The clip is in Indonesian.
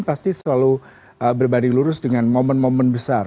pasti selalu berbanding lurus dengan momen momen besar